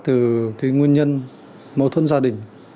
từ nguyên nhân mâu thuẫn gia đình